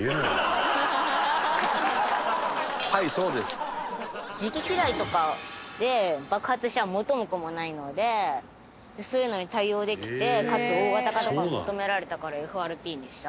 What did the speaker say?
確か磁気機雷とかで爆発したら元も子もないのでそういうのに対応できてかつ大型化とかを求められたからＦＲＰにした。